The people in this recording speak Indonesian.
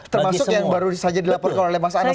termasuk yang baru saja dilaporkan oleh mas aras tadi ya